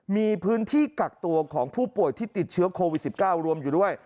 มีพื้นที่กักตัวของผู้ป่วยที่ติดเชื้อโควิด๑๙รวมอยู่ด้วย